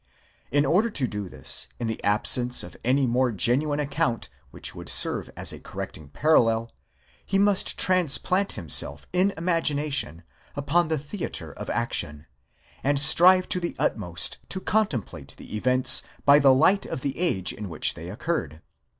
In order to this, in the absence of any more genuine account which would serve as a correcting parallel, he must trans plant himself in imagination upon the theatre of action, and strive to the ut most to contemplate the events by the light of the age in which they occurred.